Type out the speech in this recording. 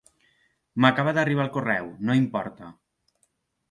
M'acaba d'arribar el correu, no importa!